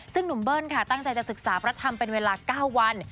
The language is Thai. ซึ่งหนุ่มเบิ้ลค่ะตั้งใจจะศึกษาพระธรรมเป็นเวลา๙วัน